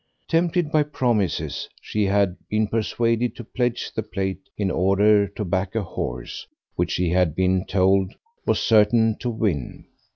Tempted by promises, she had been persuaded to pledge the plate in order to back a horse which she had been told was certain to win.